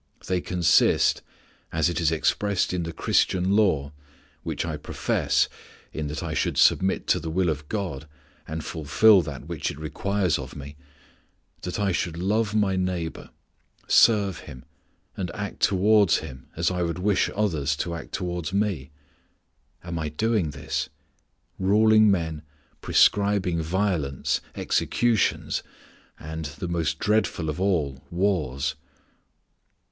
They consist, as it is expressed in the Christian law, which I profess, in that I should submit to the will of God, and fulfil that which it requires of me, that I should love my neighbor, serve him, and act towards him as I would wish others to act towards me. Am I doing this? ruling men, prescribing violence, executions, and, the most dreadful of all, wars.